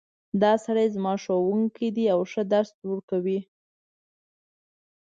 دا سړی زما ښوونکی ده او ښه درس ورکوی